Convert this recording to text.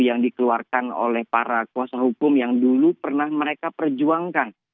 yang dikeluarkan oleh para kuasa hukum yang dulu pernah mereka perjuangkan